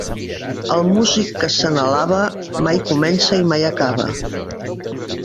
El músic que se n'alaba, mai comença i mai acaba.